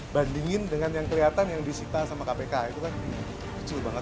bandingin dengan yang kelihatan yang disita sama kpk itu kan kecil banget